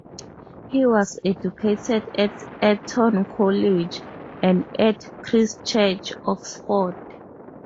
He was educated at Eton College and at Christ Church, Oxford.